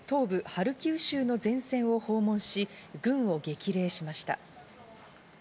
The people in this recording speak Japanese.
ハルキウ州の前線を訪問し、軍を激励しました。